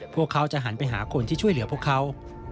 พวกเขาจะหันไปหาคนที่ช่วยเหลือพวกเขา